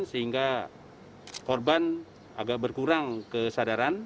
sehingga korban agak berkurang kesadaran